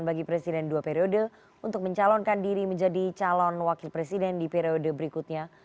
bagi presiden dua periode untuk mencalonkan diri menjadi calon wakil presiden di periode berikutnya